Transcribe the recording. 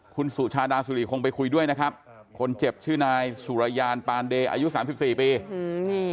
คุณสุชาดาสุริคงไปคุยด้วยนะครับคนเจ็บชื่อนายสุรญาณปานเดอายุ๓๔ปี